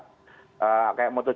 dengan protokol yang sangat ketat